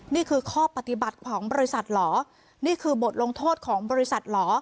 นี่คือข้อปฏิบัติของบริษัทเหรอนี่คือบทลงโทษของบริษัทเหรอ